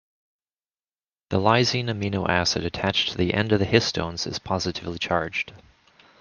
The lysine amino acid attached to the end of the histones is positively charged.